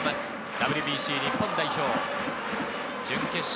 ＷＢＣ日本代表、準決勝